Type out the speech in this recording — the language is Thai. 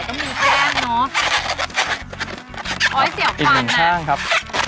อ้อยเสี่ยวฟันนะอีกหนึ่งข้างครับ